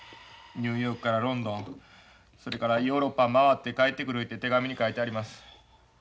ニューヨークからロンドンそれからヨーロッパ回って帰ってくるいうて手紙に書いてあります。